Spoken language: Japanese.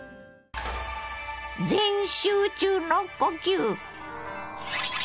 全集中の呼吸！